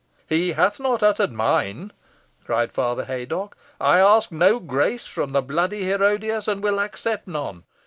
"He hath not uttered mine," cried Father Haydocke. "I ask no grace from the bloody Herodias, and will accept none.